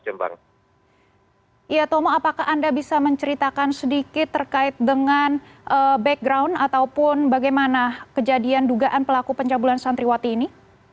ya tomo apakah anda bisa menceritakan sedikit terkait dengan background ataupun bagaimana kejadian dugaan pelaku pencabulan santriwati ini